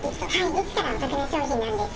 ですからお得な商品なんです。